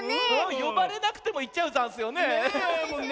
よばれなくてもいっちゃうざんすよね。